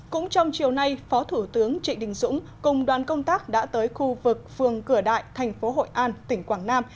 cũng trong chiều nay phó thủ tướng trịnh đình dũng cùng đoàn công tác đã tới khu vực phường cửa đại thành phố hội an tỉnh quảng nam